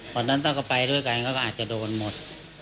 ควรนั้นถ้ากลับไปด้วยกันก็อาจจะโดนหมด